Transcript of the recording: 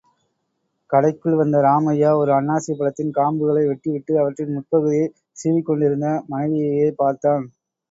கடைக்குள் வந்த ராமய்யா, ஒரு அன்னாசிப்பழத்தின் காம்புகளை வெட்டிவிட்டு, அவற்றின் முட் பகுதியைச் சீவிக் கொண்டிருந்த மனைவியையே பார்த்தான்.